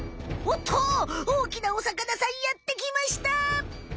おおきなおさかなさんやってきました！